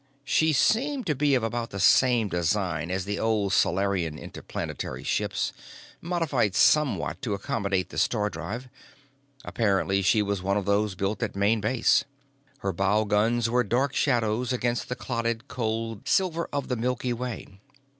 She seemed to be of about the same design as the old Solarian interplanetary ships, modified somewhat to accommodate the star drive. Apparently, she was one of those built at Main Base. Her bow guns were dark shadows against the clotted cold silver of the Milky Way.